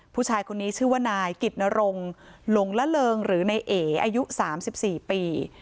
ผู้ชายคนนี้ชื่อว่านายกิตนรงหลงละเริงหรือในเอกอายุสามสิบสี่ปี